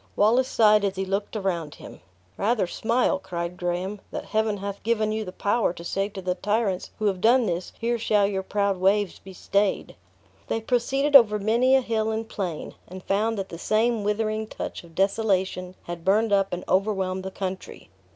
Wallace sighed as he looked around him. "Rather smile," cried Graham, "that Heaven hath given you the power to say to the tyrants who have done this, 'Here shall your proud waves be stayed!'" They proceeded over many a hill and plain, and found that the same withering touch of desolation had burned up and overwhelmed the country.